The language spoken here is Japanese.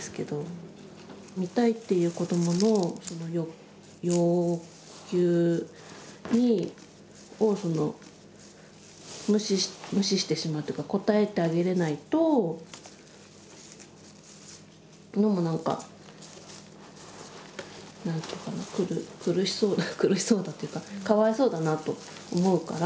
見たいっていう子どもの要求を無視してしまうというか応えてあげれないとのもなんか苦しそう苦しそうだというかかわいそうだなと思うから。